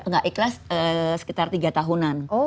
nggak ikhlas sekitar tiga tahunan